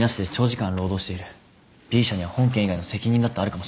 Ｂ社には本件以外の責任だってあるかもしれない。